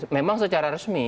memang secara resmi